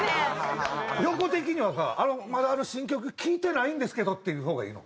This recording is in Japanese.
ヨコ的にはさ「まだあの新曲聴いてないんですけど」って言う方がいいの？